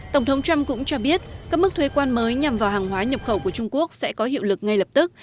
tổng thống trump cũng cho biết các mức thuê quan mới nhằm vào hàng hóa nhập khẩu của trung quốc sẽ có hiệu lực ngay lập tức